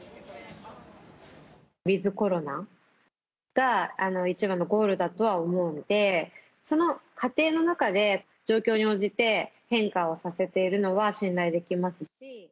ウィズコロナが一番のゴールだとは思うので、その過程の中で、状況に応じて変化をさせているのは信頼できます。